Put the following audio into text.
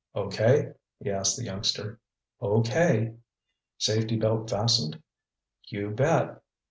"Okay?" he asked the youngster. "Okay!" "Safety belt fastened?" "You bet."